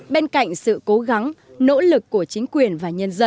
bên cạnh sự cố gắng nỗ lực của chính quyền và nhân dân